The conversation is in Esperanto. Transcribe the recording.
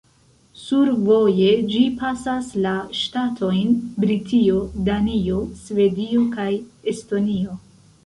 Survoje ĝi pasas la ŝtatojn Britio, Danio, Svedio kaj Estonio.